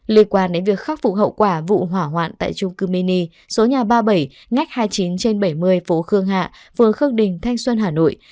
liên quan đến việc khắc phục hậu quả vụ hỏa hoạn tại trung cư mini số nhà ba mươi bảy ngách hai mươi chín trên bảy mươi phố khương hạ phường khương đình thanh xuân hà nội